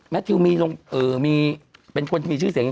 แมททิวมีลงเออมีเป็นคนที่มีชื่อเสียง